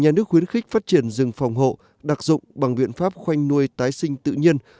nhà nước khuyến khích phát triển rừng phòng hộ đặc dụng bằng biện pháp khoanh nuôi tái sinh tự nhiên